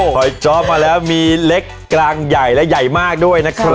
ถอยจ๊อบมาแล้วมีเล็กกลางใหญ่และใหญ่มากด้วยนะครับ